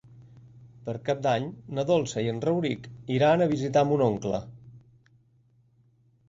Per Cap d'Any na Dolça i en Rauric iran a visitar mon oncle.